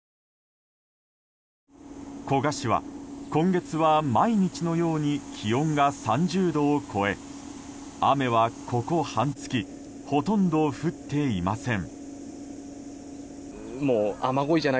古河市は、今月は毎日のように気温が３０度を超え雨は、ここ半月ほとんど降っていません。